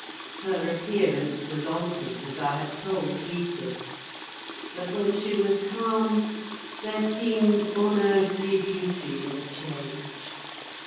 Her appearance was altered, as I had told Heathcliff; but when she was calm, there seemed unearthly beauty in the change.